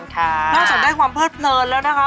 นอกจากได้ความเพิดเพลินแล้วนะคะ